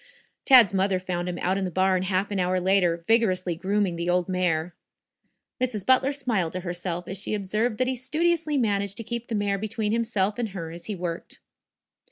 Tad's mother found him out in the barn half an hour later, vigorously grooming the old mare. Mrs. Butler smiled to herself as she observed that he studiously managed to keep the mare between himself and her as he worked.